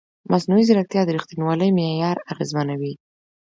مصنوعي ځیرکتیا د ریښتینولۍ معیار اغېزمنوي.